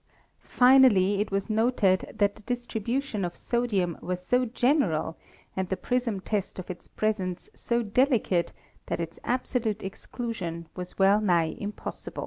Finally, it was noted that the distribution of sodium was so general and the prism test of its presence so delicate that its absolute exclu sion was well nigh impossible.